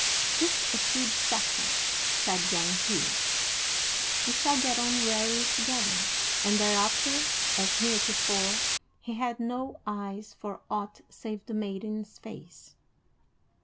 "'Tis a good chaffer," said young Hugh. "We shall get on rarely together;" and thereafter, as heretofore, he had no eyes for aught save the maiden's face.